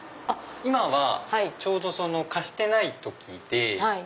今はちょうど貸してない時で。